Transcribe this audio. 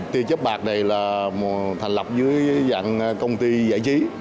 thì chấp bạc này là thành lập dưới dạng công ty giải trí